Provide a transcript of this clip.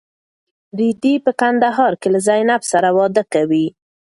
رېدی په کندهار کې له زینب سره واده کوي.